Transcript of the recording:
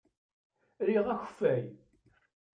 Riɣ akeffay.